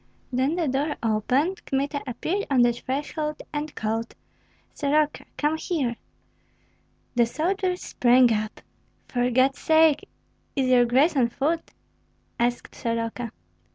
Then the door opened, Kmita appeared on the threshold, and called, "Soroka! come here!" The soldiers sprang up. "For God's sake, is your grace on foot?" asked Soroka.